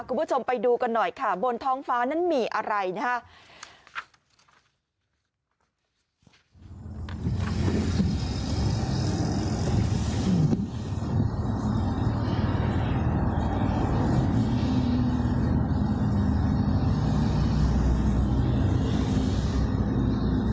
คุณผู้ชมไปดูกันหน่อยค่ะบนท้องฟ้านั้นมีอะไรนะครับ